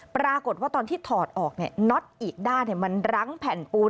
ปรากฏว่าตอนที่ถอดออกน็อตอีกด้านมันรั้งแผ่นปูน